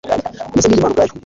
mbese nk'iy'imana ubwayo